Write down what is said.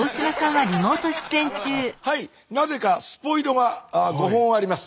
はいなぜかスポイトが５本あります。